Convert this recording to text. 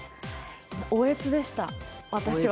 おえつでした、私は。